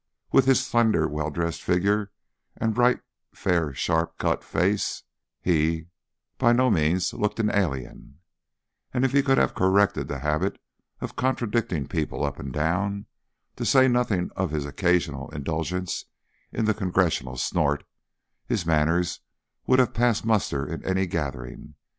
With his slender well dressed figure and bright fair sharply cut face, he by no means looked an alien, and if he could have corrected the habit of contradicting people up and down to say nothing of his occasional indulgence in the Congressional snort his manners would have passed muster in any gathering.